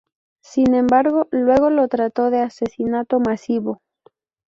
Sin embargo, luego lo trató de "asesinato masivo".